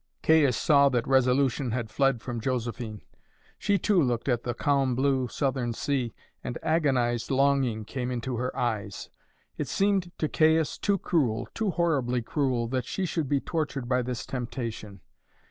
Caius saw that resolution had fled from Josephine. She too looked at the calm blue southern sea, and agonized longing came into her eyes. It seemed to Caius too cruel, too horribly cruel, that she should be tortured by this temptation.